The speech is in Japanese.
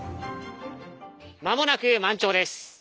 まもなく満潮です。